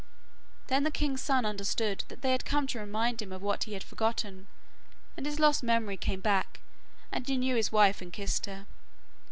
Then the king's son understood that they had come to remind him of what he had forgotten, and his lost memory came back, and he knew his wife, and kissed her.